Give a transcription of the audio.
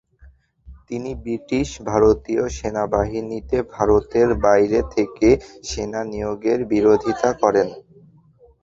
তিনি ব্রিটিশ ভারতীয় সেনাবাহিনীতে ভারতের বাইরে থেকে সেনা নিয়োগের বিরোধিতা করেন।